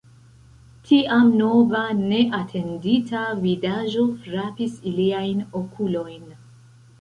Tiam nova neatendita vidaĵo frapis iliajn okulojn.